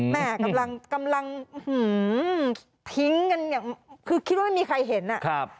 แม่กำลังทิ้งกันอย่างคือคิดว่าไม่มีใครเห็นอ่ะครับ